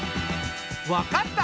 分かった。